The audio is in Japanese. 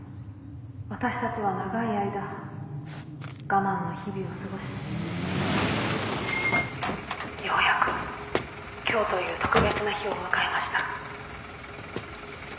「私たちは長い間我慢の日々を過ごしようやく今日という特別な日を迎えました」